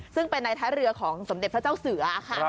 ซึ่งเป็นในท้ายเรือของสมเด็จพระเจ้าเสือค่ะ